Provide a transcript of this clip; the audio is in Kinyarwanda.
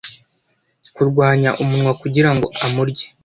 Kurwanya umunwa kugirango amurye